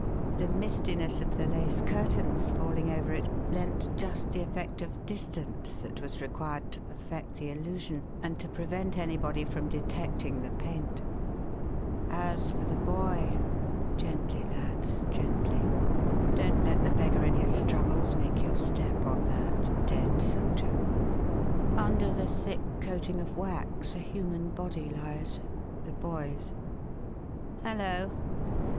The mistiness of the lace curtains falling over it lent just the effect of 'distance' that was required to perfect the illusion and to prevent anybody from detecting the paint. As for the boy Gently, lads, gently! Don't let the beggar in his struggles make you step on that 'dead soldier.' Under the thick coating of wax a human body lies the boy's! Hullo!